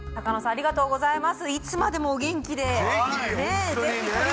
ありがとうございます。